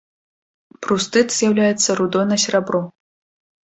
Прустыт з'яўляецца рудой на серабро.